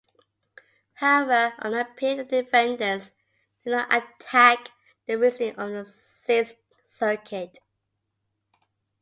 However, on appeal, the defendants did not attack the reasoning of the Sixth Circuit.